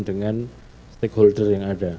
dengan stakeholder yang ada